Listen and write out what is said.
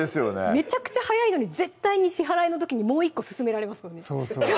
めちゃくちゃ早いのに絶対に支払いの時にもう１個勧められますよね